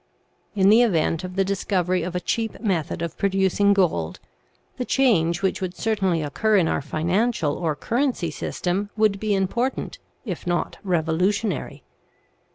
" In the event of the discovery of a cheap method of pro ducing gold, the change which would certainly occur in our financial or currency system would be important, if not revolutionary.